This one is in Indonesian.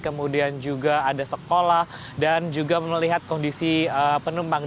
kemudian juga ada sekolah dan juga melihat kondisi penumpang